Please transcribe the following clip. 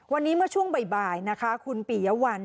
วันนี้เมื่อช่วงบ่ายนะคะคุณปียวัล